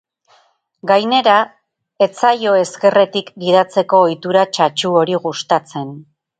Gainera, ez zaio ezkerretik gidatzeko ohitura txatxu hori gustatzen.